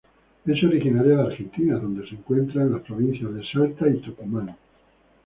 Es originaria de Argentina, donde se encuentra en las provincias de Salta y Tucumán.